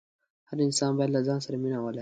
هر انسان باید له ځان سره مینه ولري.